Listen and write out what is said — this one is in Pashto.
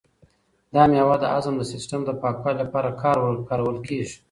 دا مېوه د هضم د سیسټم د پاکوالي لپاره کارول کیږي.